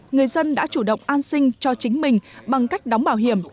người dân đã chủ động an sinh cho chính mình bằng cách đóng bảo hiểm